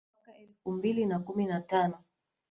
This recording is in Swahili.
mwaka elfu mbili na kumi na tano